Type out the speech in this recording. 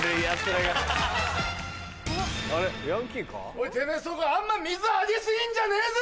おいてめぇそこあんま水あげ過ぎんじゃねえぞ！